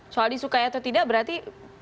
soal disukai atau tidak berarti